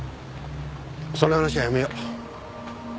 その話はやめよう。